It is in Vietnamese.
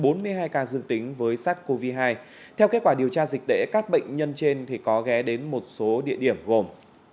trường hợp dương tính với sars cov hai theo kết quả điều tra dịch để các bệnh nhân trên có ghé đến một số địa điểm gồm